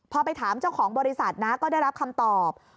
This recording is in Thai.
พอไปถามเจ้าของบริษัทนะก็ได้รับคำตอบ